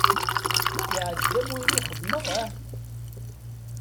Yeɛǧb-am wayen i xedmeɣ ah?